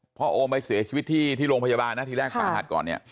โอมไปเสียชีวิตที่โรงพยาบาลนะทีแรกสาหัสก่อนเนี่ย